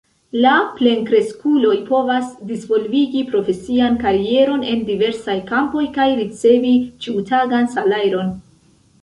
La plenkreskuloj povas disvolvigi profesian karieron en diversaj kampoj kaj ricevi ĉiutagan salajron.